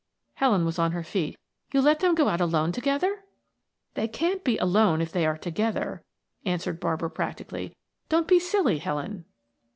Helen was on her feet. "You let them go out alone together?" "They can't be alone if they are together," answered Barbara practically. "Don't be silly, Helen."